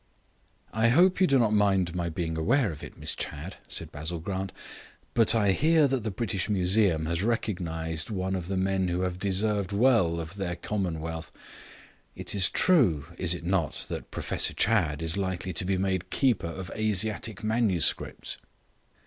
"I hope you do not mind my being aware of it, Miss Chadd," said Basil Grant, "but I hear that the British Museum has recognized one of the men who have deserved well of their commonwealth. It is true, is it not, that Professor Chadd is likely to be made keeper of Asiatic manuscripts?"